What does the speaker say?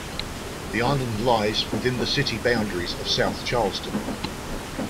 The island lies within the city boundaries of South Charleston.